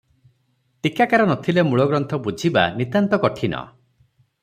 ଟୀକାକାର ନଥିଲେ ମୂଳଗ୍ରନ୍ଥ ବୁଝିବା ନିତାନ୍ତ କଠିନ ।